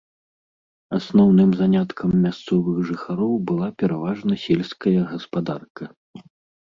Асноўным заняткам мясцовых жыхароў была пераважна сельская гаспадарка.